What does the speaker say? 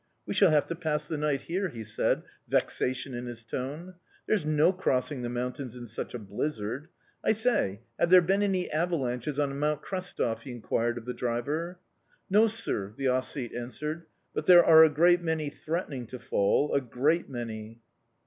"We shall have to pass the night here," he said, vexation in his tone. "There's no crossing the mountains in such a blizzard. I say, have there been any avalanches on Mount Krestov?" he inquired of the driver. "No, sir," the Ossete answered; "but there are a great many threatening to fall a great many."